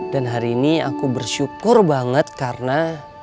dan hari ini aku bersyukur banget karena